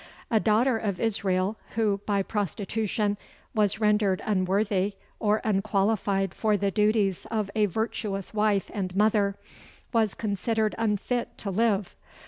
A daughter of Israel, who, by prostitution, was rendered unworthy, or unqualified for the duties of a virtuous wife and mother, was considered unfit to live.